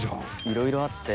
いろいろあって。